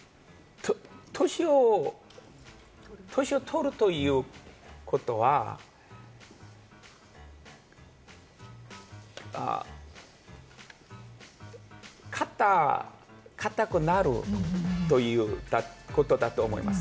年をとるということは、かたくなるということだと思います。